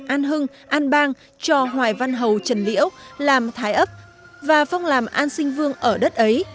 an hưng an bang cho hoài văn hầu trần liễu làm thái ấp và phong làm an sinh vương ở đất ấy